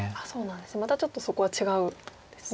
またちょっとそこは違うんですね。